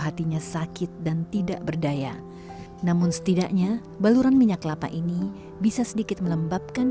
hatinya sakit dan tidak berdaya namun setidaknya baluran minyak lapa ini bisa sedikit melembabkan